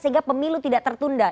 sehingga pemilu tidak tertunda